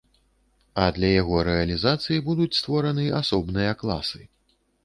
А для яго рэалізацыі будуць створаны асобныя класы.